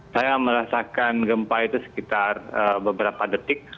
saya merasakan gempa itu sekitar beberapa detik